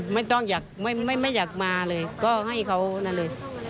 ไม่ต้องอยากไม่อยากมาเลยก็ให้เขานั่นเลย